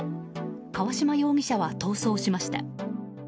川島容疑者は逃走しました。